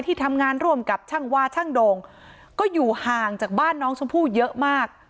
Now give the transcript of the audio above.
ที่ทำงานร่วมกับช่างวาช่างโด่งก็อยู่ห่างจากบ้านน้องชมพู่เยอะมาก